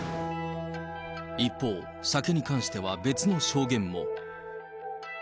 一方、酒に関しては別の証言も。